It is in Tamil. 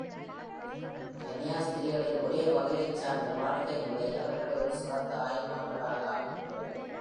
கன்னியாஸ்திரிகளின் ஒரே வகையைச்சார்ந்த வாழ்க்கை முறை அவர்களை ஒரு சிறந்த ஆய்வு மக்களாக ஆக்குகிறது.